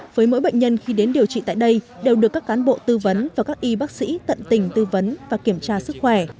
với mỗi bệnh nhân khi đến điều trị tại đây đều được các cán bộ tư vấn và các y bác sĩ tận tình tư vấn và kiểm tra sức khỏe